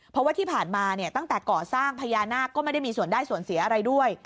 เพราะว่าที่ผ่านมาเนี่ยตั้งแต่ก่อสร้างพญานาคก็ไม่ได้มีส่วนได้ส่วนเสียอะไรด้วย